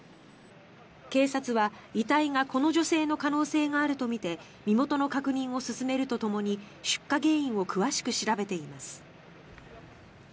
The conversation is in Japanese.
警察は遺体がこの女性の可能性があるとみて身元の確認を進めるとともに出火原因を詳しく調べています。